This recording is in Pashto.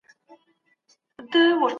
اسلام د افراط او تفریط مخالف دی.